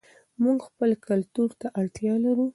موږ خپل کلتور ته اړتیا لرو.